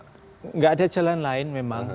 tidak ada jalan lain memang